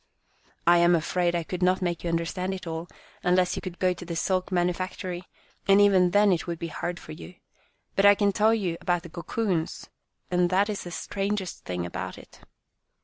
" I am afraid I could not make you under stand it all, unless you could go to the silk manufactory, and even then it would be hard for you. But I can tell you about the cocoons, and that is the strangest thing about it.